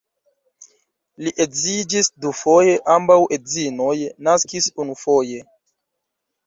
Li edziĝis dufoje, ambaŭ edzinoj naskis unufoje.